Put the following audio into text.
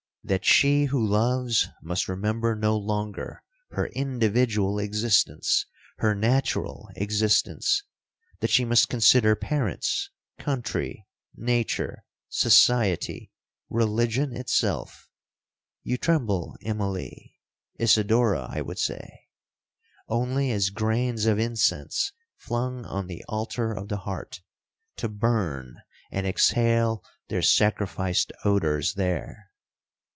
That she who loves, must remember no longer her individual existence, her natural existence—that she must consider parents, country, nature, society, religion itself—(you tremble, Immalee—Isidora I would say)—only as grains of incense flung on the altar of the heart, to burn and exhale their sacrificed odours there.'